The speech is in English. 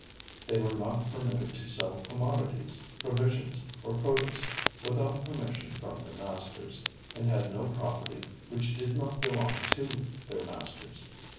They were not permitted to sell "commodities, provisions, or produce" without permission from their masters, and had no property which did not belong to their masters.